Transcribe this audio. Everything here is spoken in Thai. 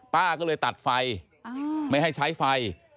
ป้าก็เลยตัดไฟไม่ให้ใช้ไฟ